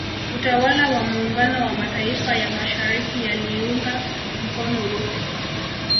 Utawala wa muungano wa Mataifa ya mashariki yaliiunga mkono Urusi